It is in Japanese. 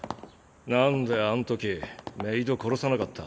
なんであんときメイド殺さなかった？